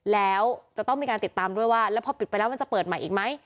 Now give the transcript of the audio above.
แล้วจะต้องมีการติดตามด้วยว่าแล้วพอปิดไปแล้วมันจะเปิดใหม่อีกไหม